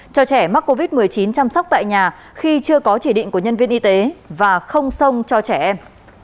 cho trẻ mắc covid một mươi chín chăm sóc tại nhà khi chưa có chỉ định của nhân viên y tế và không sông cho trẻ em